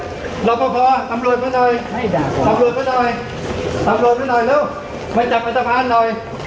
เราก็พอตำรวจมาหน่อยตำรวจมาหน่อยตำรวจมาหน่อยเร็วมาจับอัตภาพหน่อย